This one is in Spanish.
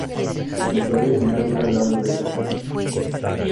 Su santuario se encuentra al lado de esta casa.